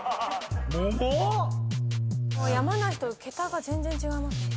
桃⁉「山梨」と桁が全然違いますね。